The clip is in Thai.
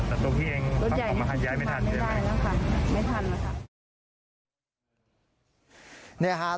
แต่ตรงที่เองออกมาทันย้ายไม่ทันใช่ไหมไม่ทันแล้วค่ะ